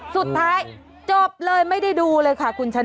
สุดท้ายจบเลยไม่ได้ดูเลยค่ะคุณชนะ